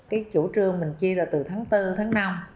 cái chủ trương mình chia ra từ tháng bốn tháng năm